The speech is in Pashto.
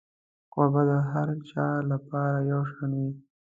کوربه د هر چا لپاره یو شان وي.